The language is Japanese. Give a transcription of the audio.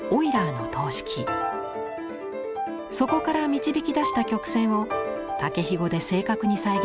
そこから導き出した曲線を竹ひごで正確に再現しています。